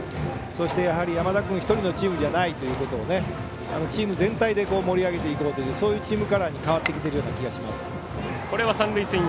そして、山田君１人のチームじゃないということをチーム全体で盛り上げていこうというチームカラーに変わっている気がします。